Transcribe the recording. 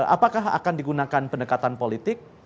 apakah akan digunakan pendekatan politik